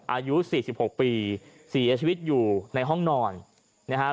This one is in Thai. อายุ๔๖ปีเสียชีวิตอยู่ในห้องนอนนะครับ